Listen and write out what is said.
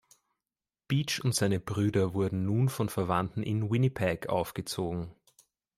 Beach und seine Brüder wurden nun von Verwandten in Winnipeg aufgezogen.